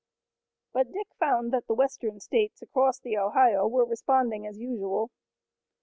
But Dick found that the western states across the Ohio were responding as usual.